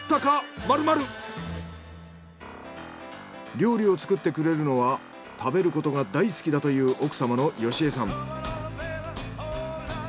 料理を作ってくれるのは食べることが大好きだという奥様の美枝さん。